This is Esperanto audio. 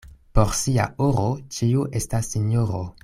Por sia oro ĉiu estas sinjoro.